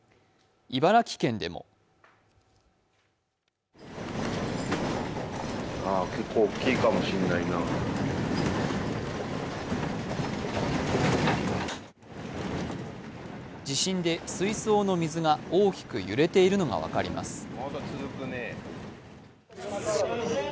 茨城県でも地震で水槽の水が大きく揺れているのがわかります。